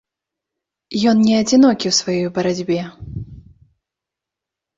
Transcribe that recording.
Ён не адзінокі ў сваёй барацьбе.